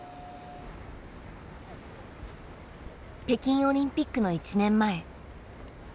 北京オリンピックの１年前。